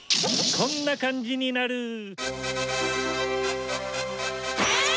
こんな感じになるええ！